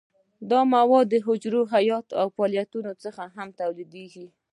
دا مواد د حجرو حیاتي فعالیت څخه هم تولیدیږي.